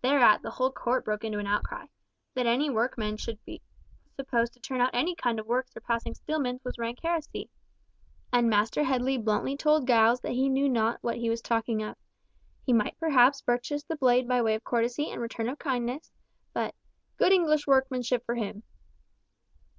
Thereat the whole court broke into an outcry; that any workman should be supposed to turn out any kind of work surpassing Steelman's was rank heresy, and Master Headley bluntly told Giles that he knew not what he was talking of! He might perhaps purchase the blade by way of courtesy and return of kindness, but—good English workmanship for him!